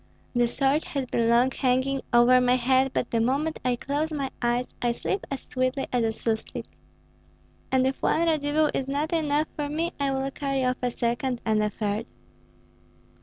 The sword has been long hanging over my head, but the moment I close my eyes I sleep as sweetly as a suslik. And if one Radzivill is not enough for me, I will carry off a second, and a third."